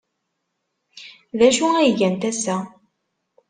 D acu ay gant ass-a?